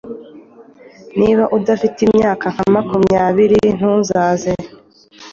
Niba udafite imyaka nka makumyabiri ntuzaze.